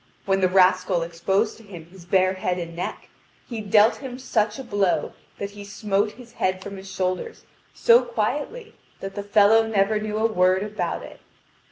When the rascal exposed to him his bare head and neck, he dealt him such a blow that he smote his head from his shoulders so quietly that the fellow never knew a word about it.